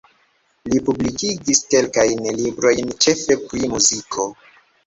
Li publikigis kelkajn librojn ĉefe pri muziko.